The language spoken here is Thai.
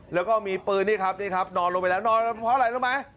แล้วก็มีปืนนี่ครับนอนลงไปแล้วนอนเท่าไหร่ได้ไหม